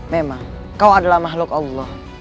memang kau adalah makhluk allah